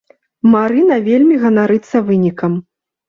Марына вельмі ганарыцца вынікам.